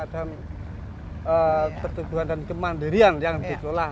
dan pertumbuhan dan kemandirian yang dikelola